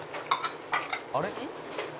「あれ？」